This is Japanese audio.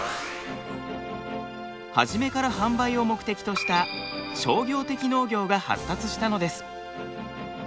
初めから販売を目的とした商業的農業が発達したのです。